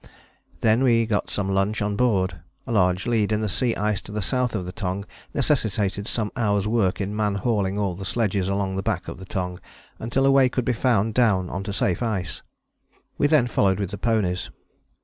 Then we got some lunch on board. A large lead in the sea ice to the south of the Tongue necessitated some hours' work in man hauling all sledges along the back of the Tongue until a way could be found down on to safe ice. We then followed with the ponies.